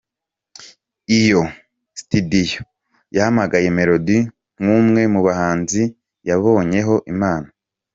Iyo situdiyo yahamagaye melodi nk’umwe mubahanzi yabonyeho impano.